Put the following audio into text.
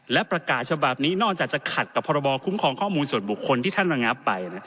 และประกาศฉบับนี้นอกจากจะขัดกับพรบคุ้มครองข้อมูลส่วนบุคคลที่ท่านระงับไป